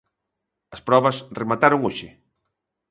As probas remataron hoxe.